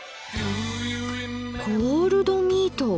「コールドミート」。